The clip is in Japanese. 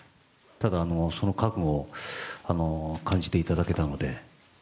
ただその覚悟を感じていただけたので。